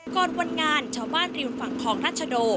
ก่อนวันงานชาวบ้านริมฝั่งคลองรัชโด